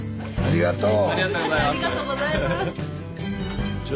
ありがとう。